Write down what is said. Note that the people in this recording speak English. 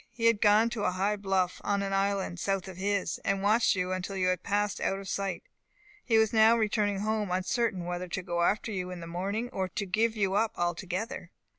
He had gone to a high bluff, on an island south of his, and watched you until you had passed out of sight. He was now returning home, uncertain whether to go after you in the morning, or to give you up altogether.